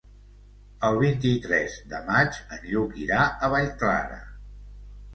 El vint-i-tres de maig en Lluc irà a Vallclara.